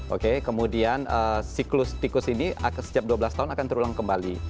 oke kemudian siklus tikus ini setiap dua belas tahun akan terulang kembali